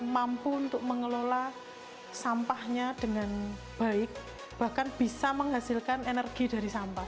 mampu untuk mengelola sampahnya dengan baik bahkan bisa menghasilkan energi dari sampah